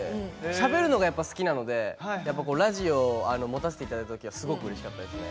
しゃべるのが好きなのでラジオ持たせていただいたときはすごくうれしかったですね。